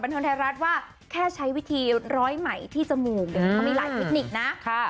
แชร์รัสว่าแค่ใช้วิธีร้อยไหมที่จมูกเขามีหลายพิกนิกนะ